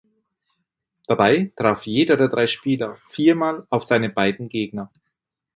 Dabei traf jeder der drei Spieler viermal auf seine beiden Gegner.